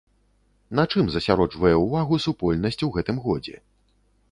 На чым засяроджвае ўвагу супольнасць у гэтым годзе?